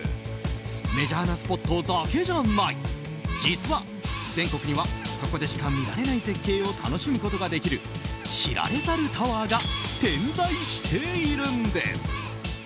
メジャーなスポットだけじゃない実は、全国にはそこでしか見られない絶景を楽しむことができる知られざるタワーが点在しているんです。